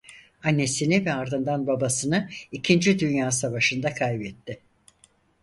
Annesini ve ardından babasını ikinci Dünya Savaşı'nda kaybetti.